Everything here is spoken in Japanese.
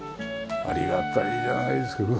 ありがたいじゃないですか。